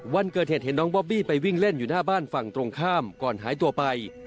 วันเกิดเหตุเห็นน้องบอบบี้ไปวิ่งเล่นอยู่หน้าบ้านฝั่งตรงข้ามก่อนหายตัวไป